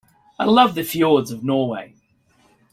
I love the fjords of Norway.